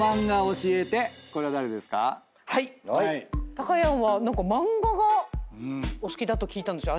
たかやんは漫画がお好きだと聞いたんですよ。